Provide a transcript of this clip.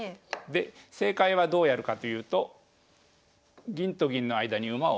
で正解はどうやるかというと銀と銀の間に馬を捨てるわけですね。